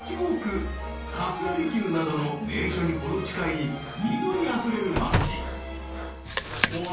［桂離宮などの名所に程近い緑あふれる町］